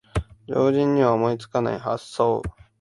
常人には思いつかない発想